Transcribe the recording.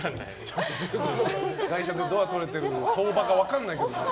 中古の外車のドア取れてる相場が分からないけど。